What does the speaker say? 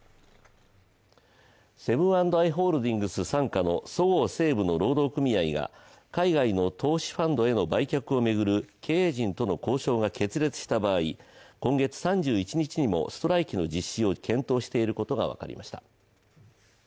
セブン＆アイ・ホールディングス傘下のそごう・西武の労働組合が海外の投資ファンドの売却を巡る経営陣との交渉が決裂した場合今月３１日にもストライキの実施を検討していることが分かりました。